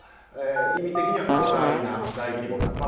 意味的には巨大な、大規模な。